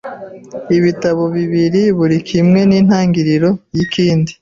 ibitabo bibiri buri kimwe nintangiriro yikindi